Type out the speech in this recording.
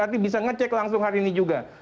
nanti bisa ngecek langsung hari ini juga